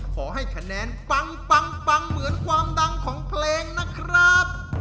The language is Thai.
ขอให้คะแนนปังเหมือนความดังของเพลงนะครับ